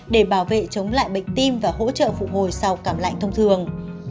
để bảo vệ chống lại bệnh tim và hỗ trợ phụ hồi sau cảm lạnh thông thường